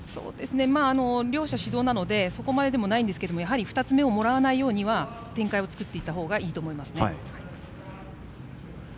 両者指導なのでそこまででもないんですけれどもやはり２つ目をもらわない展開を作っていったほうがいいですね。